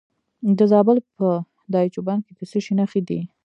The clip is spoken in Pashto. د زابل په دایچوپان کې د څه شي نښې دي؟